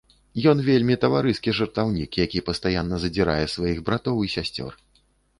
Ён вельмі таварыскі жартаўнік, які пастаянна задзірае сваіх братоў і сясцёр.